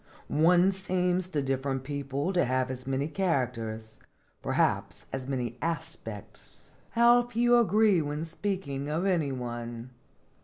"One seems to different people to have as many characters, perhaps as many aspects. How few agree when speaking of any one